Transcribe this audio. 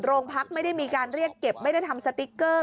โรงพักไม่ได้มีการเรียกเก็บไม่ได้ทำสติ๊กเกอร์